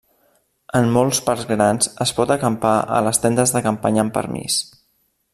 En molts parcs grans, es pot acampar a les tendes de campanya amb permís.